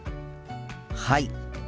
はい！